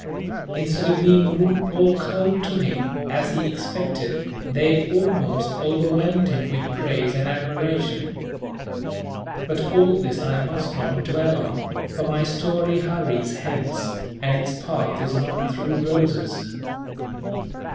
Instead of being rude or cold to him, as he expected, they almost overwhelmed him with praise and admiration. But all this I must not dwell on, for my story hurries hence, and its path is not through roses.